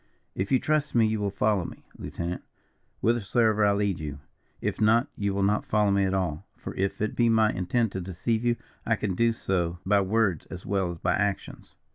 "If you trust me you will follow me, lieutenant, whithersoever I lead you. If not, you will not follow me at all, for if it be my intent to deceive you, I can do so by words as well as by actions.